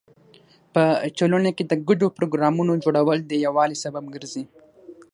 په ټولنه کې د ګډو پروګرامونو جوړول د یووالي سبب ګرځي.